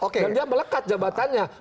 dan dia melekat jabatannya